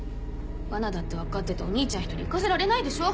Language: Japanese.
罠だって分かっててお兄ちゃん１人行かせられないでしょ。